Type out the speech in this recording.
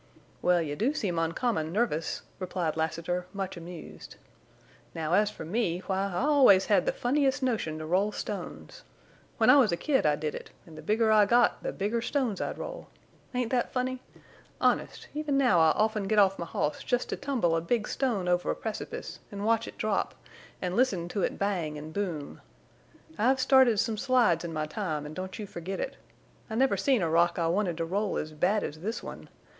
"Well, you do seem uncommon nervous," replied Lassiter, much amused. "Now, as for me, why I always had the funniest notion to roll stones! When I was a kid I did it, an' the bigger I got the bigger stones I'd roll. Ain't that funny? Honest—even now I often get off my hoss just to tumble a big stone over a precipice, en' watch it drop, en' listen to it bang an' boom. I've started some slides in my time, an' don't you forget it. I never seen a rock I wanted to roll as bad as this one!